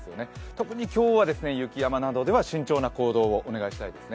特に今日は雪山などでは慎重な行動をお願いします。